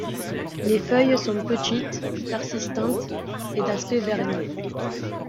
Les feuilles sont petites, persistantes et d'aspect vernis.